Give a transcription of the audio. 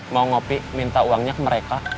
mau ngopi minta uangnya ke mereka